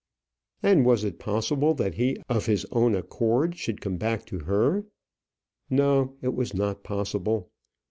And was it possible that he of his own accord should come back to her? No, it was not possible.